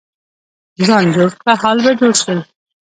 ځان جوړ کړه، حال به جوړ شي.